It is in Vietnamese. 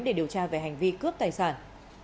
để điều tra về hành vi cướp tài sản